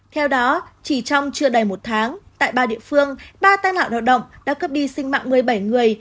theo đó chỉ trong chưa đầy một tháng tại ba địa phương ba tai nạn lao động đã cướp đi sinh mạng một mươi bảy người